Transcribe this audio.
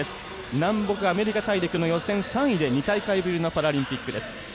南北アメリカ大陸の予選３位で２大会ぶりのパラリンピックです。